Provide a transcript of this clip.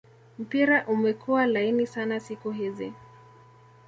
mpira umekua laini sana siku hizi